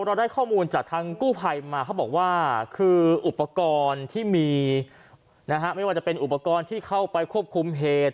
เราได้ข้อมูลจากทางกู้ภัยมาเขาบอกว่าคืออุปกรณ์ที่มีนะฮะไม่ว่าจะเป็นอุปกรณ์ที่เข้าไปควบคุมเหตุ